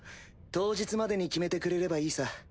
当日までに決めてくれればいいさ。